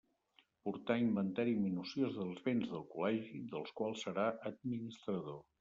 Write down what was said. Portar inventari minuciós dels béns del Col·legi, dels quals serà administrador.